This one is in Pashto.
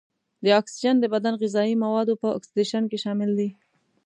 دا اکسیجن د بدن غذايي موادو په اکسیدیشن کې شامل دی.